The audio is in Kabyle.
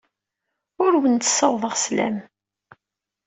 Ur awent-d-ssawaḍeɣ sslam.